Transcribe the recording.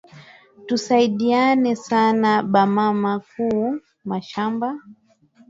Tusaidie sana ba mama ku mashamba